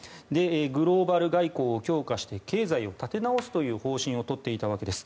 グローバル外交を強化して経済を立て直すという方針をとっていたわけです。